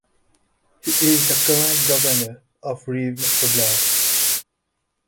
He is the current Governor of Rivne Oblast.